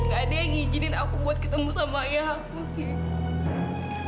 gak ada yang izinin aku buat ketemu dengan ayahku ki